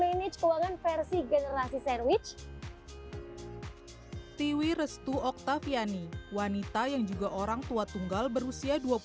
versi generasi sandwich tiwi restu octaviani wanita yang juga orang tua tunggal berusia dua puluh lima